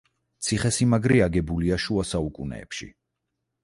ციხესიმაგრე აგებულია შუა საუკუნეებში.